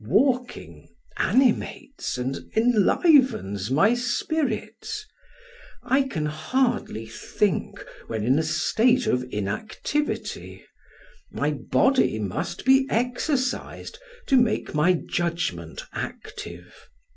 Walking animates and enlivens my spirits; I can hardly think when in a state of inactivity; my body must be exercised to make my judgmemt active.